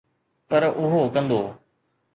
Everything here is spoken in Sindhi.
پر اهو ڪندو.